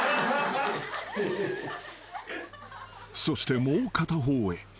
［そしてもう片方へ］